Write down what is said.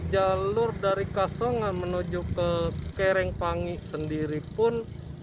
jalur dari kasongan menuju ke kerengpangi sendiri pun